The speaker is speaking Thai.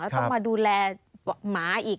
ต้องมาดูแลหมาอีก